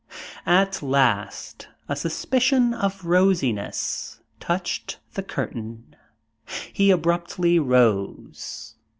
At last a suspicion of rosiness touched the curtain. He abruptly rose.